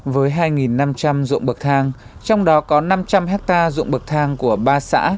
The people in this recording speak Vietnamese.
với hai năm trăm linh dụng bậc thang trong đó có năm trăm linh hectare dụng bậc thang của ba xã